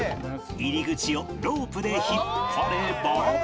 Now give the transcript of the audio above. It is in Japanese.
入り口をロープで引っ張れば